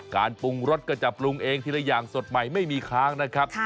การปรุงรสก็จะปรุงเองทีละอย่างสดใหม่ไม่มีค้างนะครับ